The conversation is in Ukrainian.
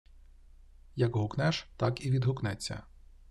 Як гукнеш, так і відгукнеться.